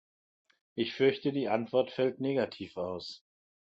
Ich fürchte, die Antwort fällt negativ aus.